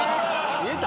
見えた？